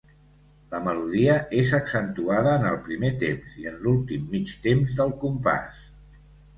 La melodia és accentuada en el primer temps i en l'últim mig temps del compàs.